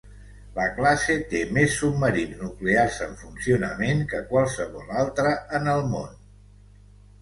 La classe té més submarins nuclears en funcionament que qualsevol altre en el món.